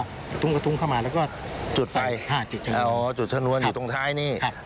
แล้วก็ทุ้งก็ทุ้งเข้ามาแล้วก็จุดไฟจุดชะนวนอ๋อจุดชะนวนอยู่ตรงท้ายนี้ครับ